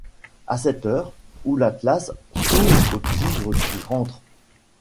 À cette heure où l'Atlas s'ouvre au tigre qui rentre